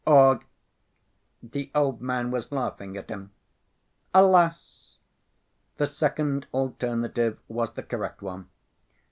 Or—the old man was laughing at him. Alas! The second alternative was the correct one.